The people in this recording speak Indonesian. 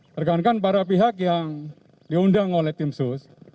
tergantikan para pihak yang diundang oleh tim sus